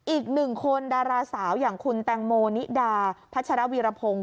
อีกหนึ่งคนดาราสาวอย่างคุณแตงโมนิดาพัชรวีรพงศ์